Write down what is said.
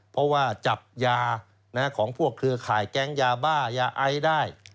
เพราะว่าจับยาของพวกเครือข่ายแก๊งยาบ้ายาไอได้